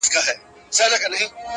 ما مي د هسک وطن له هسکو غرو غرور راوړئ!